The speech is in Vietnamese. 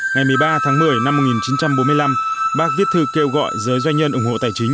ngày một mươi ba tháng một mươi năm một nghìn chín trăm bốn mươi năm bác viết thư kêu gọi giới doanh nhân ủng hộ tài chính